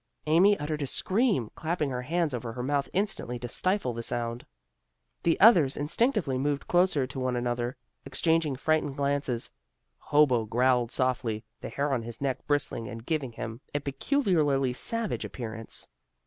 Amy uttered a scream, clapping her hands over her mouth instantly, to stifle the sound. The others instinctively moved closer to one another, exchanging frightened glances. Hobo growled softly, the hair on his neck bristling and giving him a peculiarly savage appearance.